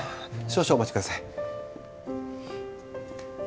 少々お待ちください。